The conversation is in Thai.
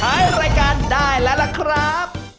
รายการได้แล้วล่ะครับ